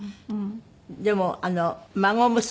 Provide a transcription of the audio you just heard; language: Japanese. でも孫娘？